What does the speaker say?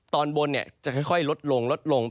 ตอนบนเนี่ยจะค่อยลดลง